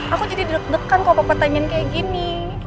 aku jadi deg degan kalau papa tanya kayak gini